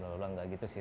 lalu lah gak gitu sih